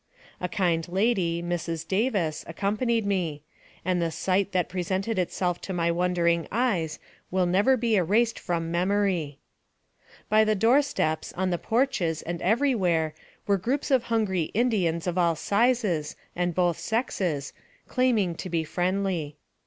A kind lady, Mrs. Davis, accompanied me, and the sight that presented itself to my wondering eyes will never be erased from memory. By the door steps, on the porches, and every where, were groups of hungry Indians of all sizes and both sexes, claiming to be friendly.